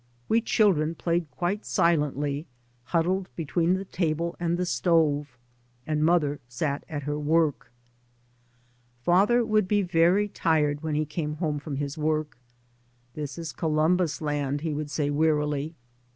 We chil dren played quite silently, huddled between the table and the stove, and mother sat at her work. Father would be very tired when he came home from his work. " This is Columbus' land," he would say wearily.